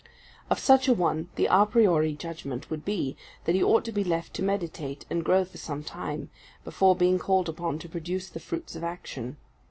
Of such a one, the a priori judgment would be, that he ought to be left to meditate and grow for some time, before being called upon to produce the fruits of action.